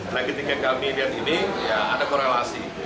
tragedi kegagal median ini ya ada korelasi